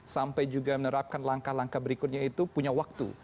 sampai juga menerapkan langkah langkah berikutnya itu punya waktu